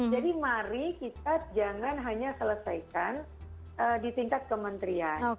jadi mari kita jangan hanya selesaikan di tingkat kementerian